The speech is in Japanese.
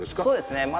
そうですね。